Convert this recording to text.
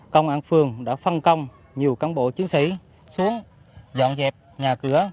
công an phường đã phân công nhiều cán bộ chiến sĩ xuống dọn dẹp nhà cửa